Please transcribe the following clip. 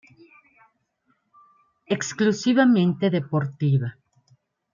Exclusivamente deportiva.